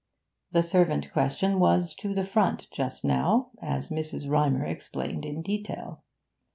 The servant question was to the front just now, as Mrs. Rymer explained in detail.